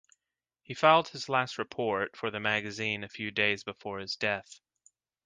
He filed his last report for the magazine a few days before his death.